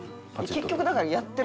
結局だからやってる事一緒。